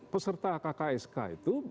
peserta kksk itu